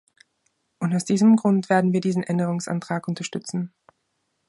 Und aus diesem Grund werden wir diesen Änderungsantrag unterstützen.